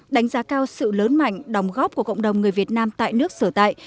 đánh giá cao sự lớn mạnh đồng góp của cộng đồng người việt nam tại nước sở tại